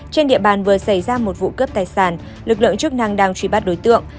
trên địa bàn vừa xảy ra một vụ cướp tài sản lực lượng chức năng đang truy bắt đối tượng